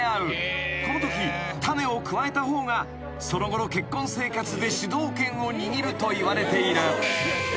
［このとき種をくわえた方がその後の結婚生活で主導権を握るといわれている］